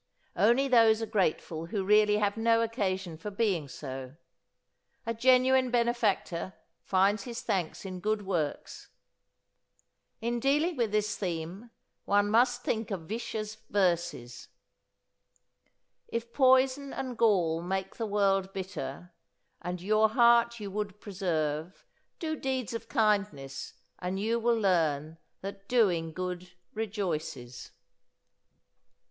Only those are grateful who really have no occasion for being so. A genuine benefactor finds his thanks in good works. In dealing with this theme one must think of Vischer's verses: "If poison and gall make the world bitter, And your heart you would preserve; Do deeds of kindness! and you will learn That doing good rejoices."